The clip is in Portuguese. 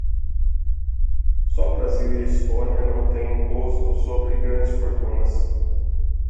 Só Brasil e Estônia não têm imposto sobre grandes fortunas